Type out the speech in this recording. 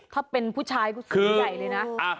ถ้าเป็นผู้ชายใหญ่เลยนะ